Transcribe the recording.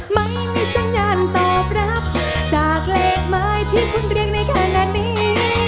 ไม่มีสัญญาณตอบรับจากเลขหมายที่คุณเรียงในขณะนี้